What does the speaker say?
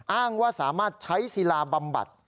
อ้างว่าสามารถใช้ศิลาบำบัด